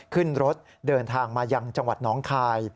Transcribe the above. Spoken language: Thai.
ขึ้นรถเดินทางมายังจังหวัดน้องคาย